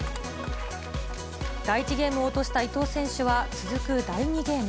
第１ゲームを落とした伊藤選手は続く第２ゲーム。